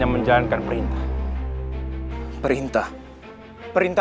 membenci nari rati selamanya